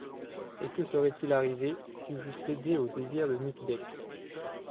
Et que serait-il arrivé... si j’eusse cédé aux désirs de Nic Deck?...